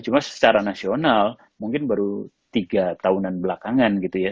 cuma secara nasional mungkin baru tiga tahunan belakangan gitu ya